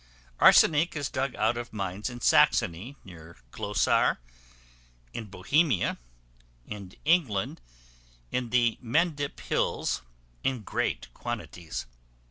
Arsenic is dug out of mines in Saxony, near Goslar; in Bohemia; in England, in the Mendip Hills, in great quantities.